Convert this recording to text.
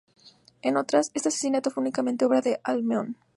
En otras, este asesinato fue únicamente obra de Alcmeón.